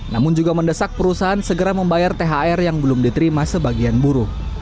namun juga mendesak perusahaan segera membayar thr yang belum diterima sebagian buruh